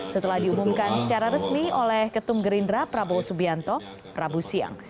setelah diumumkan secara resmi oleh ketum gerindra prabowo subianto rabu siang